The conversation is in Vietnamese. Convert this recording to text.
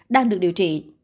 đang được điều trị